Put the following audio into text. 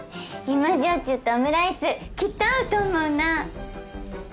芋焼酎とオムライスきっと合うと思うな。